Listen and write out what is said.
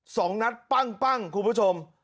สองนัทปั้งคุณผู้ชม